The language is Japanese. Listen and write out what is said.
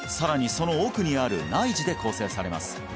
その奥にある内耳で構成されます